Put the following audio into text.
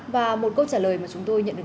và một câu trả lời mà chúng tôi nhận được